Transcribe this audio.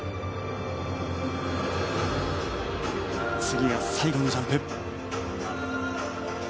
次が最後のジャンプ。